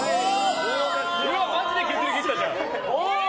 マジで削りきったじゃん！